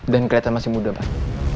dan keliatan masih muda pak